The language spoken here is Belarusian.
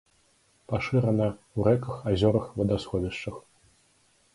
Пашырана ў рэках, азёрах, вадасховішчах.